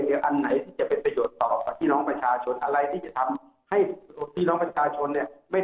ท่านไม่ได้สนใจการกำหนด